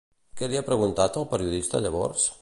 Què li ha preguntat el periodista llavors?